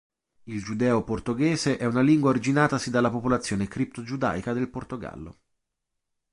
Il Giudeo-Portoghese è una lingua originatasi dalla popolazione cripto-giudaica del Portogallo.